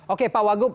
oke pak wagup